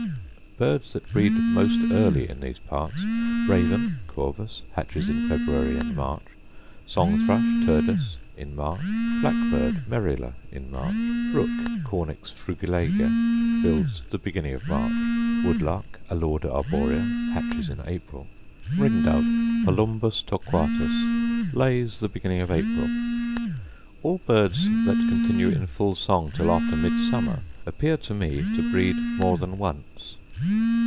Birds that breed most early in these parts: Raven, Corvus: Hatches in February and March. Song thrush, Turdus: In March. Blackbird, Merula: In March. Rook, Cornix frugilega: Builds the beginning of March. Woodlark, Alauda arborea: Hatches in April. Ring dove, Palurnbus torquatus: Lays the beginning of April. All birds that continue in full song till after Midsummer appear to me to breed more than once.